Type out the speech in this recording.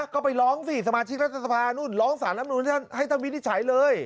ก็ไปร้องสิสมาชิกรัฐศาสตร์ภาคร้องสารรับหนุนให้ท่านวินิจฉัยเลย